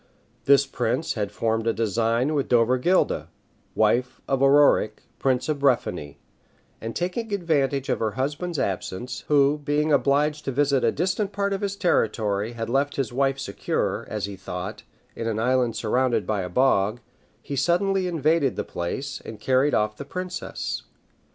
This prince had formed a design on Dovergilda, wife of Ororic, prince of Breffny; and taking advantage of her husband's absence, who, being obliged to visit a distant part of his territory, had left his wife secure, as he thought, in an island surrounded by a bog, he suddenly invaded the place, and carried off the princess.